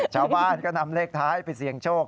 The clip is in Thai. ชาวบ้านก็นำเลขท้ายไปเสี่ยงโชค